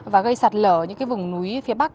và gây sạt lở những vùng núi phía bắc